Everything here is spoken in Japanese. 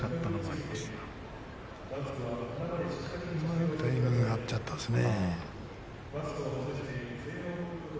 うまくタイミングが合っちゃったね。